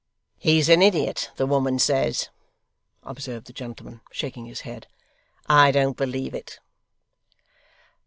'He's an idiot, the woman says,' observed the gentleman, shaking his head; 'I don't believe it.